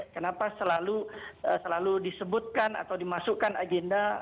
kenapa selalu disebutkan atau dimasukkan agenda